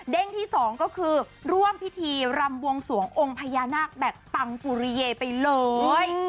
ที่สองก็คือร่วมพิธีรำบวงสวงองค์พญานาคแบบปังปุริเยไปเลย